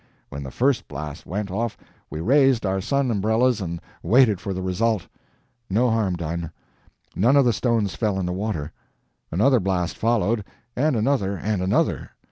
When the first blast went off we raised our sun umbrellas and waited for the result. No harm done; none of the stones fell in the water. Another blast followed, and another and another.